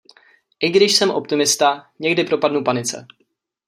I když jsem optimista, někdy propadnu panice.